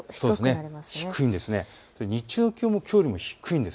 日中の気温もきょうより低いんです。